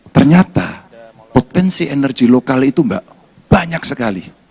ternyata potensi energi lokal itu mbak banyak sekali